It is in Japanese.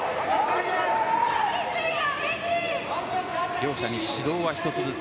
両者に指導は１つずつ。